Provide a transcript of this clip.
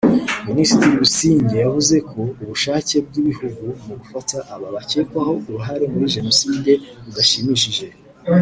Minisitiri Busingye yavuze ko ubushake bw’ibihugu mu gufata abo bakekwaho uruhare muri Jenoside rudashimishije